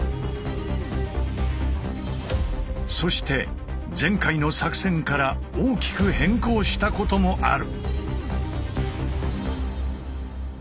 そして前回の作戦から大きく変更したこともある。